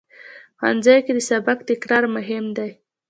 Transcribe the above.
ښوونځی کې د سبق تکرار مهم دی